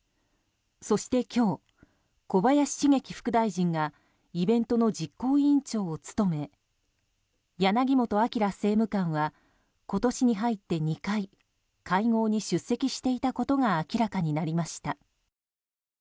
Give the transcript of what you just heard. そして今日、小林茂樹副大臣がイベントの実行委員長を務め柳本顕政務官は今年に入って２回会合に出席していたことが明らかになりました。